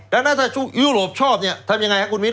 ดังนั้นถ้ายุโรปชอบเนี่ยทำยังไงครับคุณมิ้น